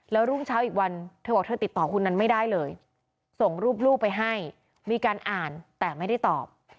แล้วรุ่งเช้าอีกวันเธอบอกเธอติดต่อคุณนั้นไม่ได้เลยส่งรูปลูกไปให้มีการอ่านแต่ไม่ได้ตอบ